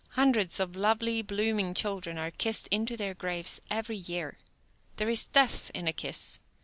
Hundreds of lovely, blooming children are kissed into their graves every year. There is death in a kiss.